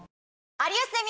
『有吉ゼミ』。